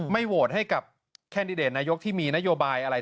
โหวตให้กับแคนดิเดตนายกที่มีนโยบายอะไร